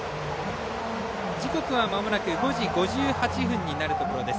時刻はまもなく５時５８分になるところです。